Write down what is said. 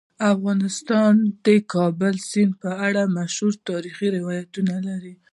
افغانستان د کابل سیند په اړه مشهور تاریخی روایتونه لري.